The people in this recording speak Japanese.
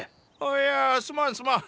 いやあすまんすまん。